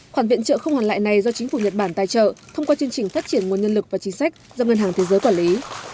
khoản viện trợ không hoàn lại này do chính phủ nhật bản tài trợ thông qua chương trình phát triển nguồn nhân lực và chính sách do ngân hàng thế giới quản lý